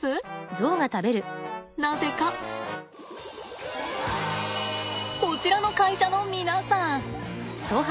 なぜかこちらの会社の皆さん！